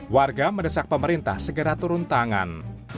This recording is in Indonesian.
warga mendesak pemerintah segera turun tangan